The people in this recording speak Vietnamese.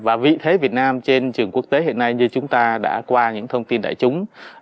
và vị thế việt nam trên trường quốc tế hiện nay như chúng ta đã qua những thông tin đại chúng